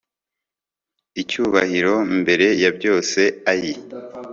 icyubahiro mbere ya byose, ayii